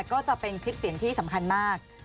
ก็จะเป็นคลิปเสียงที่สำคัญมาก